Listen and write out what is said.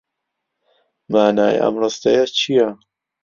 مانای ئەم ڕستەیە چییە؟